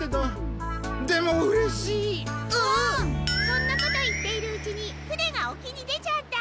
そんなこと言っているうちにふねが沖に出ちゃった。